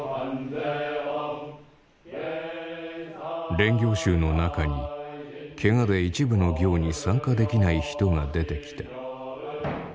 練行衆の中にけがで一部の行に参加できない人が出てきた。